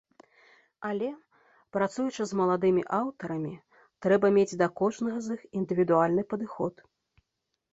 Але, працуючы з маладымі аўтарамі, трэба мець да кожнага з іх індывідуальны падыход.